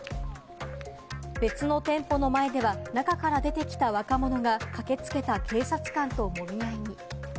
別の店舗の前では、中から出てきた若者が駆けつけた警察官ともみ合いに。